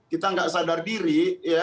kita nggak sadar diri ya